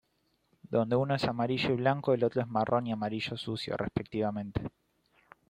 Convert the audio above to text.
Donde uno es amarillo y blanco, el otro es marrón y amarillo sucio, respectivamente.